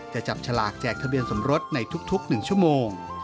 จะจับฉลากแจกทะเบียนสมรสในทุก๑ชั่วโมง